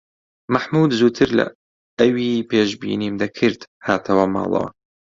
مەحموود زووتر لە ئەوی پێشبینیم دەکرد هاتەوە ماڵەوە.